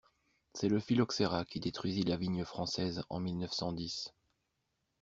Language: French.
C'est le phylloxera qui détruisit la vigne française en mille-neuf-cent-dix.